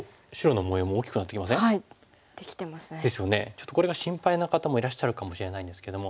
ちょっとこれが心配な方もいらっしゃるかもしれないんですけども。